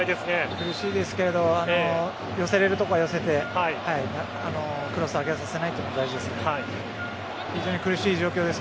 苦しいですが寄るところは寄せてクロスを上げさせないことが大事です。